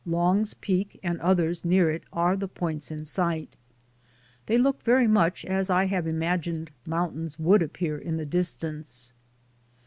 Long's Peak and others near it are the points in sight. They look very much as I have imagined mountains would appear in the distance.